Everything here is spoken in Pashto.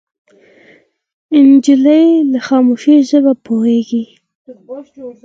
نجلۍ له خاموشۍ ژبه پوهېږي.